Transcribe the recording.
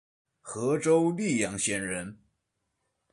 和州历阳县人。